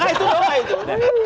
itu apa itu